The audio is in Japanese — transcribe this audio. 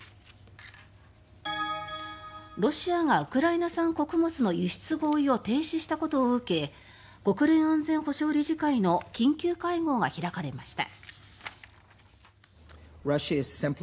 ロシアがウクライナ産穀物の輸出合意を停止したことを受け国連安全保障理事会の緊急会合が開かれました。